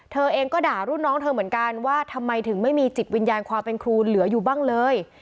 เธอเองก็ด่ารุ่นน้องเธอเหมือนกันว่าทำไมถึงไม่มีจิตวิญญาณความเป็นครูเหลืออยู่บ้างเลย